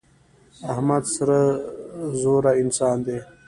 احمد سرزوره انسان دی.